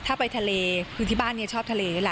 ถ้าไปทะเลคือที่บ้านชอบทะเล